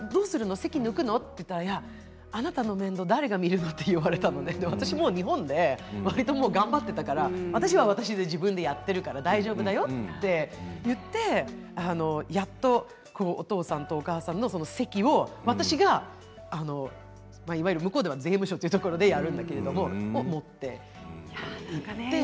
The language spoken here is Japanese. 籍抜くの？と言ったらあなたの面倒を誰が見るの？と言われて、私は日本でわりと頑張っていたから私は自分でやっているから大丈夫だよと言ってやっとお父さん、お母さんの籍を私が向こうでは税務署でやるんですけどそれを持っていって。